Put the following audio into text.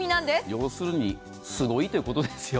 要するにすごいということですよ。